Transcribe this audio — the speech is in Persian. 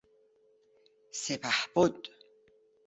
سپهبد